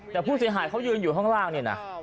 แต่ผู้เสียหายเขายืนอยู่ข้างล่างเนี่ยนะ